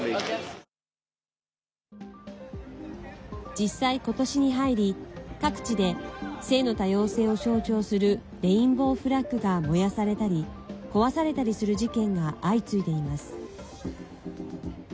実際、今年に入り各地で、性の多様性を象徴するレインボーフラッグが燃やされたり壊されたりする事件が相次いでいます。